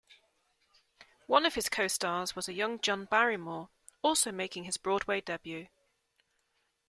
One of his co-stars was a young John Barrymore, also making his Broadway debut.